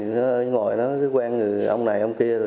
nó ngồi nó quen người ông này ông kia